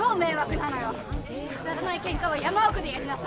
くだらないケンカは山奥でやりなさい！